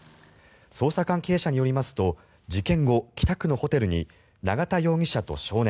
捜査関係者によりますと事件後、北区のホテルに永田容疑者と少年